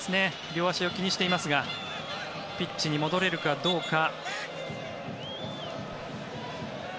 両足を気にしてますがピッチに戻れるかどうか。